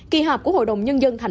kỳ họp của hội đồng nhân dân tp hcm